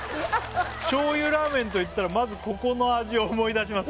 「醤油ラーメンといったらまずここの味を思い出します」